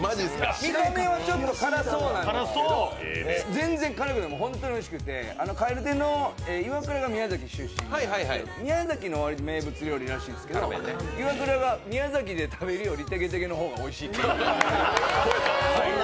見た目は辛そうなんですけど全然辛くない、本当においしくて蛙亭のイワクラが宮崎出身で宮崎の名物料理らしくて、イワクラが宮崎で食べるよりてげてげの方がおいしいと。